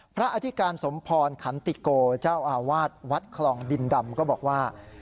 อธิการสมพรขันติโกเจ้าอาวาสวัดคลองดินดำก็บอกว่า